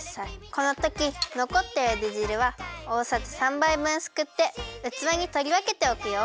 このときのこったゆでじるはおおさじ３ばいぶんすくってうつわにとりわけておくよ。